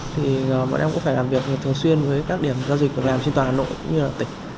thì bọn em cũng phải làm việc thường xuyên với các điểm giao dịch việc làm trên toàn hà nội cũng như là tỉnh